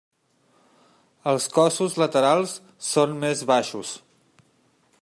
Els cossos laterals són més baixos.